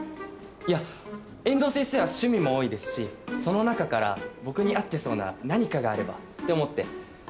いや遠藤先生は趣味も多いですしその中から僕に合ってそうな何かがあればって思って